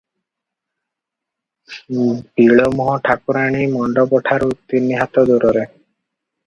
ବିଳମୁହଁ ଠାକୁରାଣୀ ମଣ୍ତପଠାରୁ ତିନି ହାତ ଦୂରରେ ।